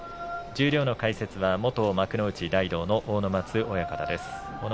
十両の解説は元幕内大道の阿武松親方です。